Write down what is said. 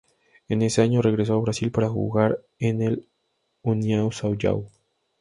En ese año regresó a Brasil para jugar en el União São João.